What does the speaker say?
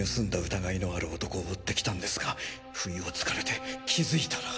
疑いのある男を追って来たんですが不意をつかれて気付いたら。